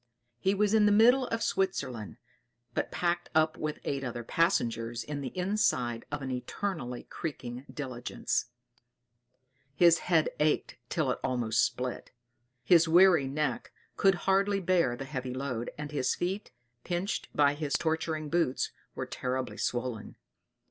He was in the middle of Switzerland, but packed up with eight other passengers in the inside of an eternally creaking diligence; his head ached till it almost split, his weary neck could hardly bear the heavy load, and his feet, pinched by his torturing boots, were terribly swollen.